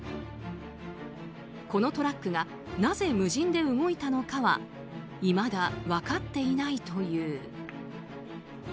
このトラックがなぜ無人で動いたのかはいまだ分かっていないという。